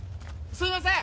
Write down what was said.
すいません！